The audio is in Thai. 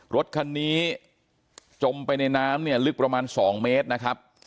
รถคันนี้จมไปในน้ำเนี่ยลึกประมาณ๒เมตรนะครับ